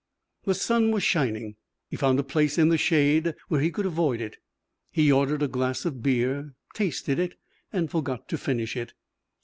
The sun was shining. He found a place in the shade where he could avoid it. He ordered a glass of beer, tasted it, and forgot to finish it.